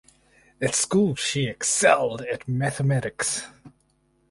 At school she excelled at mathematics.